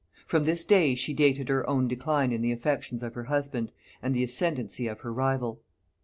From this day she dated her own decline in the affections of her husband, and the ascendancy of her rival.